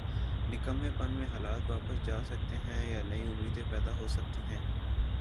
نکمّے پن میں حالات واپس جا سکتے ہیں یا نئی امیدیں پیدا ہو سکتی ہیں۔